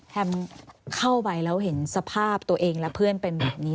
เข้าไปแล้วเห็นสภาพตัวเองและเพื่อนเป็นแบบนี้